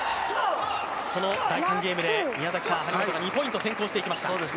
その第３ゲームで張本が２ポイント先行していきました。